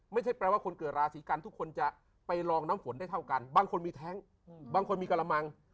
ไม่ใช่แปลว่าคนเกิดราศีกันทุกคนจะไปลองน้ำฝนได้เท่ากันบางคนมีแท้งบางคนมีกระมัง